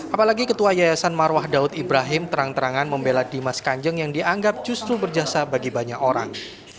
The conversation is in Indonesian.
apalagi ketua yayasan marwah daud ibrahim terang terangan membela dimas kanjeng yang dianggap justru berjasa bagi banyak orang